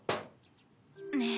ねえ